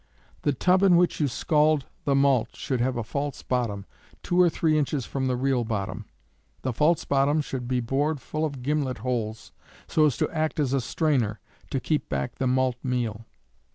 The tub in which you scald the malt should have a false bottom, 2 or 3 inches from the real bottom; the false bottom should be bored full of gimlet holes, so as to act as a strainer, to keep back the malt meal.